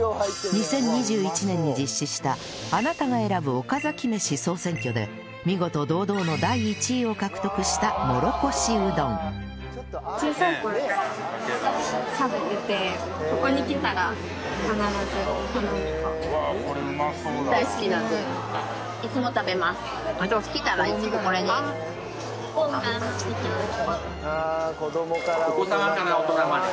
２０２１年に実施したあなたが選ぶおかざきめし総選挙で見事堂々の第１位を獲得したもろこしうどん来たらいつもこれです。